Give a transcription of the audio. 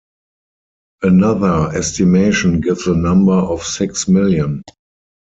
Another estimation gives a number of six million.